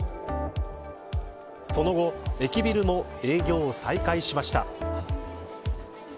その後、駅ビルも営業を再開しました。